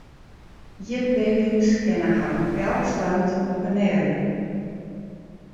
Ierdbevings kinne har op elk stuit oppenearje.